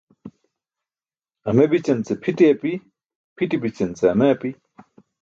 Ame bićance ce pʰiṭi api, pʰiṭi bićance ce ame api.